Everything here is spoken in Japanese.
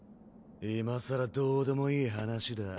今更どうでもいい話だ。